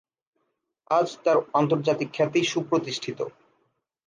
আজ তার আন্তর্জাতিক খ্যাতি সুপ্রতিষ্ঠিত।